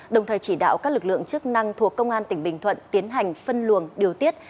đồng thời chỉ đạo các lực lượng chức năng thuộc công an tỉnh bình thuận tiến hành phân luồng điều tiết